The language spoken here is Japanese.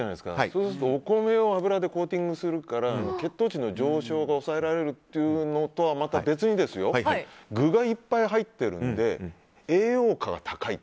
そうするとお米を油でコーティングするから血糖値の上昇を抑えられるというのとはまた別に具がいっぱい入ってるんで栄養価が高い。